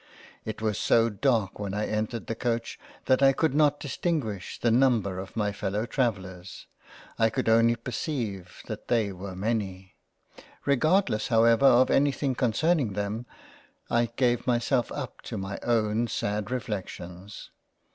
It was so dark when I entered the Coach that I could not distinguish the Number of my Fellow travellers ; I could only perceive that they were many. Regardless however of anything concerning them, I gave myself up to my own sad Reflections.